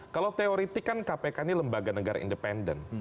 kalau teoretik kan kpk ini lembaga negara independen